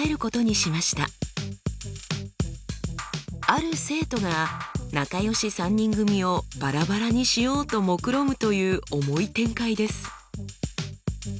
ある生徒が仲良し３人組をバラバラにしようともくろむという重い展開です。